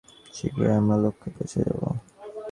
শীঘ্রই আমরা লক্ষ্যে পোঁছে যাব।